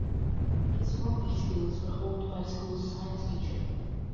His rugby skills were honed by the school's science teacher.